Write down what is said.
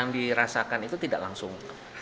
dirasakan itu tidak langsung